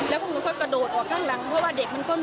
แล้วพวกหนูก็กระโดดออกข้างหลังเพราะว่าเด็กมันก็